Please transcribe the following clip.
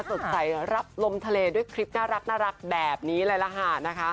สดใสรับลมทะเลด้วยคลิปน่ารักแบบนี้เลยล่ะค่ะนะคะ